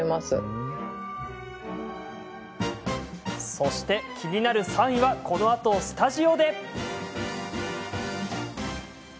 そして、気になる３位はこのあとスタジオで。